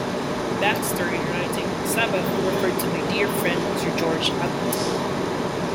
Baxter in writing on the Sabbath referred to "my dear friend Mr. George Abbot".